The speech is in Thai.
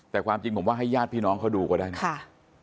แต่ความจริงผมว่าให้ญาติพี่น้องเขาดูกว่าได้